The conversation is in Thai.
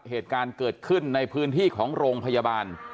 เหตุการณ์เกิดขึ้นในพื้นที่ของโรงพยาบาล